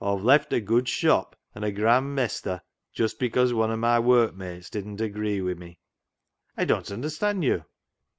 " Aw've left a good shop [situation] and a grand Mestur, just because one of my work mates didn't agree wi' me." " I don't understand you."